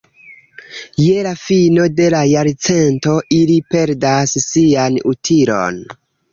Je la fino de la jarcento ili perdas sian utilon.